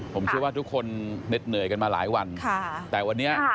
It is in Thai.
ผมเชื่อว่าทุกคนเหน็ดเหนื่อยกันมาหลายวันแต่วันนี้